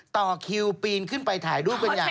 ต่อคิวปีนขึ้นไปถ่ายรูปกันใหญ่